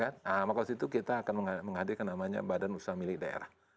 nah maka kita akan menghadirkan badan usaha milik daerah